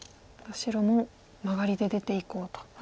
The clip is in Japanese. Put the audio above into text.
白もマガリで出ていこうと。